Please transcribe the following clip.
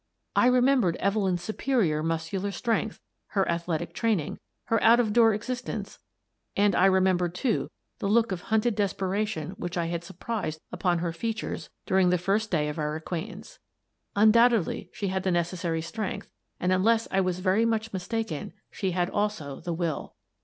I remembered Evelyn's superior muscular strength, her athletic training, her out of door existence, — and I remembered, too, the look of hunted desperation which I had surprised upon her features during the first day of our acquaintance. Undoubtedly she had the necessary strength, and, unless I was very much mistaken, she had also the will.